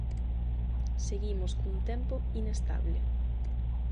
Seguimos cun tempo inestable.